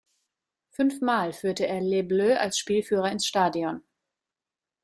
Fünfmal führte er "Les Bleus" als Spielführer ins Stadion.